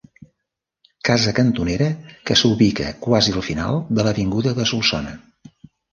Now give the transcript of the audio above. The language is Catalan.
Casa cantonera que s'ubica quasi al final de l'avinguda de Solsona.